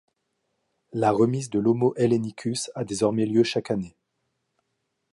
La remise de l'Homo hellenicus a désormais lieu chaque année.